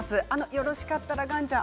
よろしかったら、岩ちゃん。